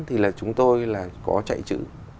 thì là chúng tôi là có chạy chữ